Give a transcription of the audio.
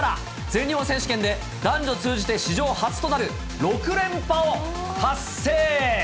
全日本選手権で男女通じて史上初となる６連覇を達成。